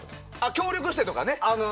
協力してとかね。